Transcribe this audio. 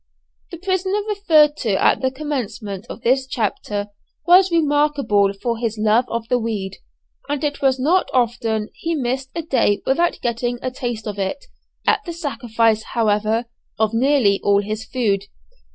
The prisoner referred to at the commencement of this chapter was remarkable for his love of the weed, and it was not often he missed a day without getting a taste of it, at the sacrifice, however, of nearly all his food.